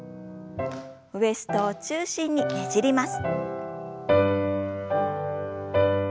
ウエストを中心にねじります。